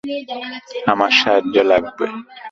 আমার সাহায্য লাগবে।